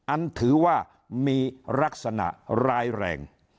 อันถือว่ามีลักษณะร้ายแรง